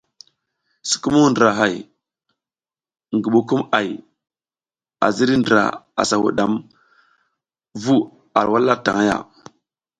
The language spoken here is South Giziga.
Sukumung ndrahay, ngubukumʼay a ziriy ndra asa wudam vu a wala tang ya.